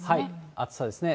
暑さですね。